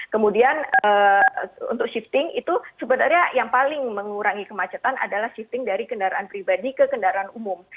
kemudian untuk shifting itu sebenarnya yang paling mengurangi kemacetan adalah shifting dari kendaraan pribadi ke kendaraan umum